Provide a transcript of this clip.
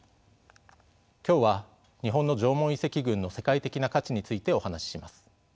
今日は日本の縄文遺跡群の世界的な価値についてお話しします。